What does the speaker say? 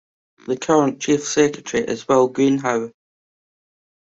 The current Chief Secretary is Will Greenhow.